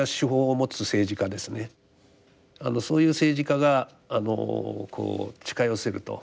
そういう政治家があのこう近寄せると。